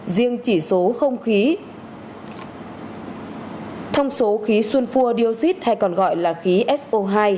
riêng chỉ số không khí thông số khí xuân phua dioxit hay còn gọi là khí so hai